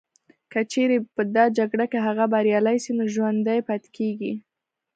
که چیري په دا جګړه کي هغه بریالي سي نو ژوندي پاتیږي